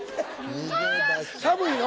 寒いの？